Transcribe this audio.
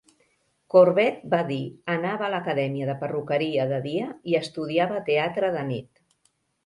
Corbett va dir: "Anava a l'acadèmia de perruqueria de dia i estudiava teatre de nit".